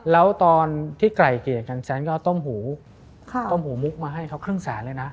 แล้วตอนที่ไกล่เกลี่ยกันแซนก็เอาต้มหูต้มหูมุกมาให้เขาครึ่งแสนเลยนะ